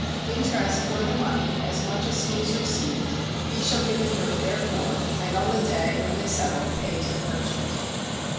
interest for the money, as much as he has received, he shall give a note therefor, and on the day, when they settle, pay to the merchant.